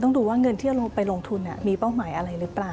ดูว่าเงินที่เราไปลงทุนมีเป้าหมายอะไรหรือเปล่า